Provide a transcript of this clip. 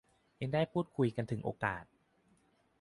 ยังได้พูดคุยกันถึงโอกาส